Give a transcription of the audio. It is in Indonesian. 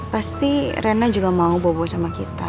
pasti rena juga mau bawa bawa sama kita